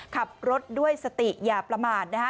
ขับรถด้วยสติอย่าประมาทนะฮะ